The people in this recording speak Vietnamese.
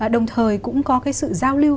đồng thời cũng có cái sự giao lưu